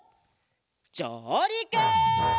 じょうりく！